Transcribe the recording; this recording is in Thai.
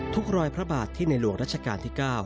รอยพระบาทที่ในหลวงรัชกาลที่๙